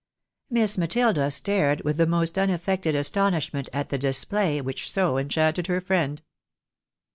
Miss Matilda stared with the most unaffected astonishment at the display which so enchanted her friend.